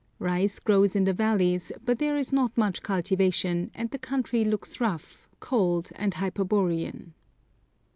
Rice grows in the valleys, but there is not much cultivation, and the country looks rough, cold, and hyperborean.